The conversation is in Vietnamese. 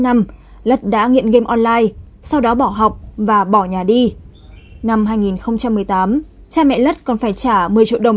năm lất đã nghiện game online sau đó bỏ học và bỏ nhà đi năm hai nghìn một mươi tám cha mẹ lất còn phải trả một mươi triệu đồng